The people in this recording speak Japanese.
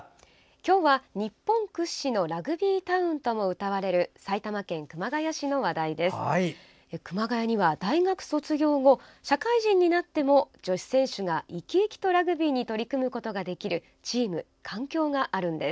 今日は、日本屈指のラグビータウンともうたわれる埼玉県熊谷市の話題です。